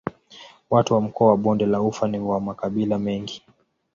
Watu wa mkoa wa Bonde la Ufa ni wa makabila mengi.